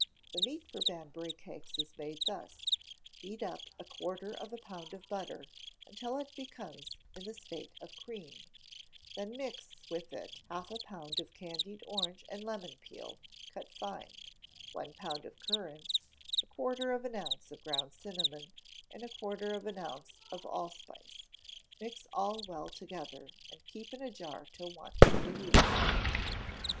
The meat for Banbury cakes is made thus: Beat up a quarter of a pound of butter until it becomes in the state of cream; then mix with it half a pound of candied orange and lemon peel, cut fine; one pound of currants, a quarter of an ounce of ground cinnamon; and a quarter of an ounce of allspice: mix all well together, and keep in a jar till wanted for use.